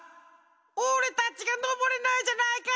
おれたちがのぼれないじゃないか！